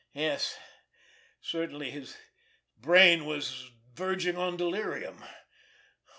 Yes, certainly, his brain was verging on delirium!